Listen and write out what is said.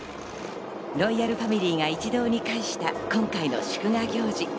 ロイヤルファミリーが一堂に会した今回の祝賀行事。